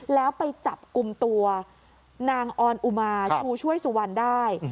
แล้วไปจับกลุ่มตัวนางออนอุมาชูช่วยสุวรรณได้